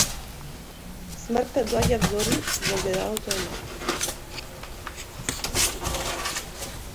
Смртта доаѓа взори, во огледалото е мрак.